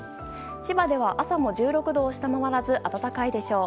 千葉では朝も１６度を下回らず暖かいでしょう。